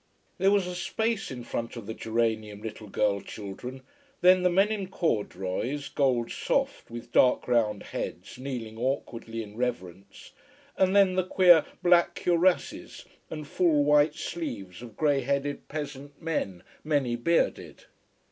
There was a space in front of the geranium little girl children, then the men in corduroys, gold soft, with dark round heads, kneeling awkwardly in reverence; and then the queer, black cuirasses and full white sleeves of grey headed peasant men, many bearded.